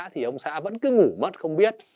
thì ông xã vẫn cứ ngủ mất không biết